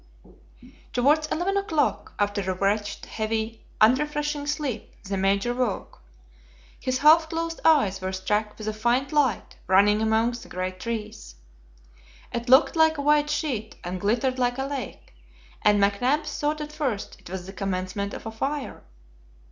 Towards eleven o'clock, after a wretched, heavy, unrefreshing sleep, the Major woke. His half closed eyes were struck with a faint light running among the great trees. It looked like a white sheet, and glittered like a lake, and McNabbs thought at first it was the commencement of a fire.